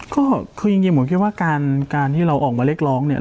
ก็คือจริงผมคิดว่าการที่เราออกมาเรียกร้องเนี่ย